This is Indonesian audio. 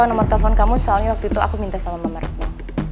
aku mau telepon kamu soalnya waktu itu aku minta sama mamar kamu